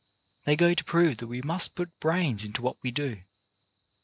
They go to prove that we must put brains into what we do.